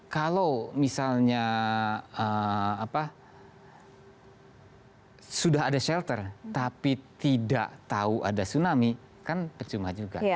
kalau misalnya sudah ada shelter tapi tidak tahu ada tsunami kan percuma juga